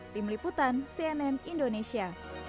tim liputan cnn indonesia